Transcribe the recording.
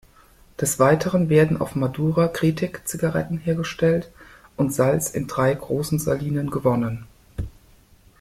Des Weiteren werden auf Madura Kretek-Zigaretten hergestellt und Salz in drei großen Salinen gewonnen.